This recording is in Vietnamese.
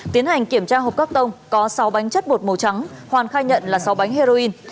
tiến hành kiểm tra hộp các tông có sáu bánh chất bột màu trắng hoàn khai nhận là sáu bánh heroin